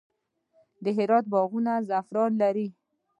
د هرات باغونه زعفران لري.